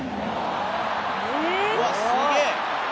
うわっすげえ！